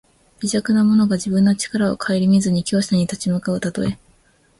微弱な者が自分の力をかえりみずに強者に立ち向かうたとえ。